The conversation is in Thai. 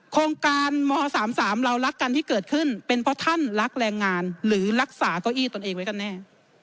โครงการม๓๓เรารักกันที่เกิดขึ้นเป็นเพราะท่านรักแรงงานหรือรักษาเก้าอี้ตนเองไว้กันแน่